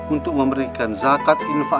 untuk memberikan zakat indah